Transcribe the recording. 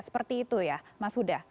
seperti itu ya mas huda